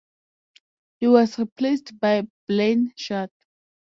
He was replaced by Blaine Shutt.